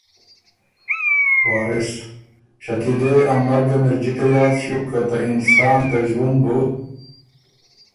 وارث: شکیلے! ا مرګم اِر جِکه یاد ݭیوک که ته انسان ته ݫوُند بُو